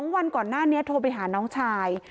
วันก่อนหน้านี้โทรไปหาน้องชาย